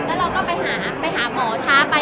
แล้วเราก็ไปหาหมอช้าไป